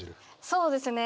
そうですね。